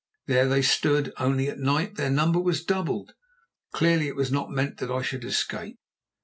There they stood—only at night their number was doubled. Clearly it was not meant that I should escape.